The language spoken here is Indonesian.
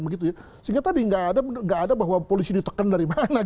sehingga tadi nggak ada bahwa polisi ditekan dari mana